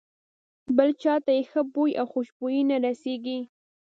بل چاته یې ښه بوی او خوشبويي نه رسېږي.